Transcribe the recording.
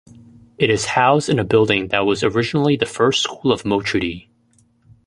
It is housed in a building that was originally the first school of Mochudi.